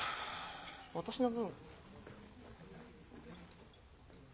私の分。